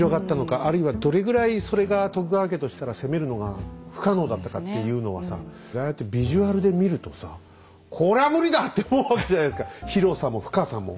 あるいはどれぐらいそれが徳川家としたら攻めるのが不可能だったかっていうのはさああやってビジュアルで見るとさ「これは無理だ！」って思うわけじゃないですか広さも深さも。